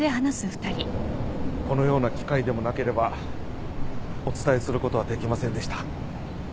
このような機会でもなければお伝えすることはできませんでした